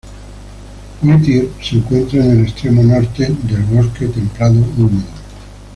Whittier se encuentra en el extremo norte del bosque templado húmedo.